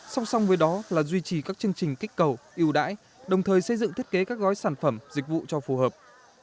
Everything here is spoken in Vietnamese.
song song với đó là duy trì các chương trình kích cầu yêu đãi đồng thời xây dựng thiết kế các gói sản phẩm dịch vụ cho phù hợp